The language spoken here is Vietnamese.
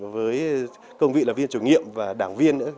với công việc là viên chủ nghiệm và đảng viên nữa